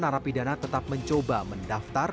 narapidana tetap mencoba mendaftar